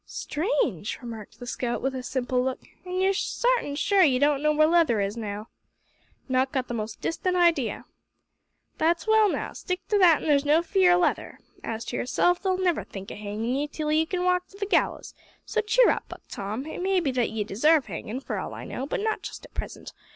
"Strange!" remarked the scout, with a simple look; "an' you're sartin sure you don't know where Leather is now?" "Not got the most distant idea." "That's well now; stick to that an' there's no fear o' Leather. As to yourself they'll never think o' hangin' you till ye can walk to the gallows so cheer up, Buck Tom. It may be that ye desarve hangin', for all I know; but not just at present.